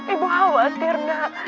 ibu khawatir gak